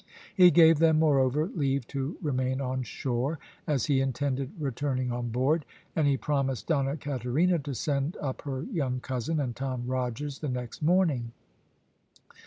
He gave them, moreover, leave to remain on shore, as he intended returning on board, and he promised Donna Katerina to send up her young cousin, and Tom Rogers the next morning.